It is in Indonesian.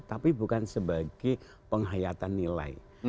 tapi bukan sebagai penghayatan nilai